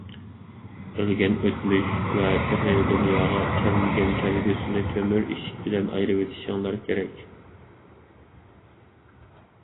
ئۆلگەن ئۆتمۈش ۋە تېخى دۇنياغا كەلمىگەن كەلگۈسىنى تۆمۈر ئىشىك بىلەن ئايرىۋېتىشىڭلار كېرەك.